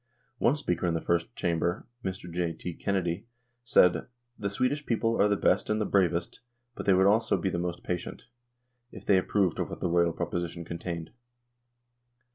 One speaker in the First Chamber, Mr. J. T. Kennedy, said :" The Swedish people are the best and the bravest, but they would also be the most patient, if they approved of what the Royal proposition contained.